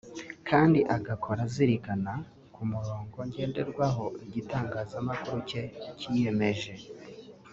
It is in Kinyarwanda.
kandi agakora azirikana ku murongo ngenderwaho igitangazamakuru cye cyiyemeje